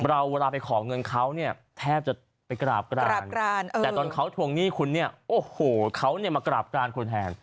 เราเวลาไปขอเงินเขาแทบจะไปกราบกรานแต่ตอนเขาทวงหนี้คุณโอ้โหเขามากราบกรานคุณแทน